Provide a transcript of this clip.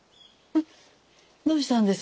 どうしたんです？